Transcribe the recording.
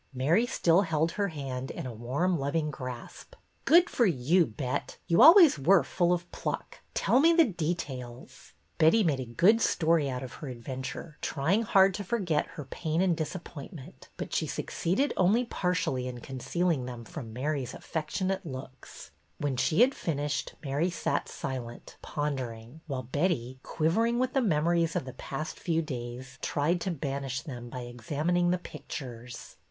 Mary still held her hand in a warm, loving grasp. ''Good for you. Bet! You always were full of pluck. Tell me the details." Betty made a good story out of her adventure, trying hard to forget her pain and disappoint 250 BETTY BAIRD'S VENTURES ment, but she succeeded only partially in conceal ing them from Mary's affectionate looks. When she had finished Mary sat silent, pon dering, while Betty, quivering with the memo ries of the past few days, tried to banish them by examining the pictures.